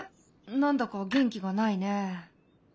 何だか元気がないね。